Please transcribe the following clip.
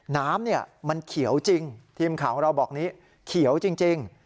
น้ำมันเขียวจริงทีมข่าวของเราบอกนี้เขียวจริง